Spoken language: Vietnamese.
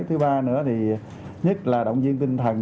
thứ ba nữa thì nhất là động viên tinh thần